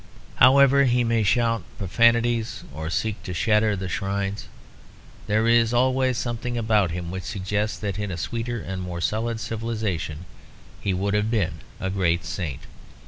However he may shout profanities or seek to shatter the shrines, there is always something about him which suggests that in a sweeter and more solid civilisation he would have been a great saint.